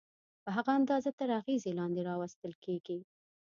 په هغه اندازه تر اغېزې لاندې راوستل کېږي.